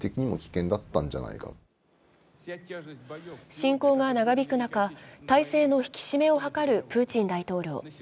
侵攻が長引く中、体制の引き締めを図るプーチン大統領。